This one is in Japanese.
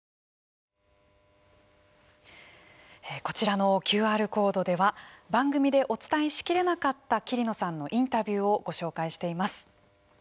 こちらのＱＲコードでは番組でお伝えしきれなかった桐野さんのインタビューをご紹介しています。